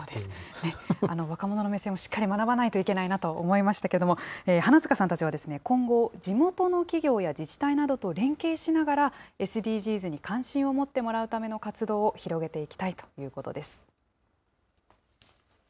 若者の目線をしっかり学ばないといけないなと思いましたけれども、花塚さんたちは今後、地元の企業や自治体などと連携しながら、ＳＤＧｓに関心を持ってもらうための活動を広げていきたいということです。